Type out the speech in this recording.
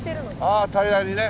ああ平らにね。